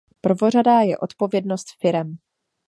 Prvořadá je odpovědnost firem.